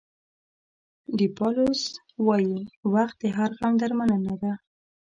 ډیپایلوس وایي وخت د هر غم درملنه ده.